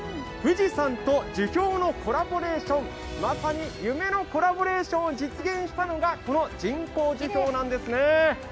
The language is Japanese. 富士山と樹氷のコラボレーション、まさに夢のコラボレーションを実現したのが、この人工樹氷なんですね。